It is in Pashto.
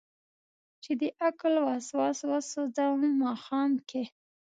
چې دعقل وسواس وسو ځم ماښام کې